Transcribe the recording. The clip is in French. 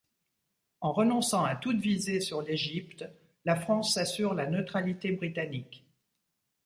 En renonçant à toute visée sur l'Égypte, la France s'assure la neutralité britannique.